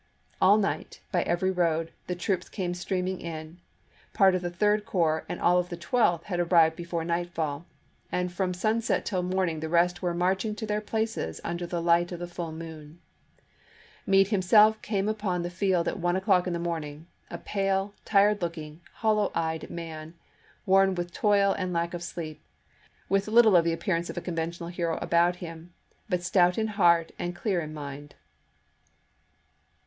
All night, by every road, the troops came streaming in ; part of the Third Corps and all of the Twelfth had arrived 246 ABRAHAM LINCOLN chap. ix. before nightfall, and from sunset till morning the rest were marching to their places under the light of the full moon. Meade himself came upon the juiy 2, 1863. field at one o'clock in the morning, a pale, tired looking, hollow eyed man, worn with toil and lack of sleep, with little of the appearance of a con ventional hero about him, but stout in heart and clear in mind.